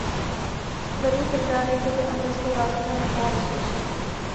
Vedl Británii v době americké války za nezávislost.